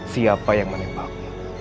siapa yang menembakku